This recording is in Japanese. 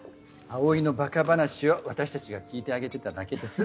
蒼のバカ話を私たちが聞いてあげてただけです。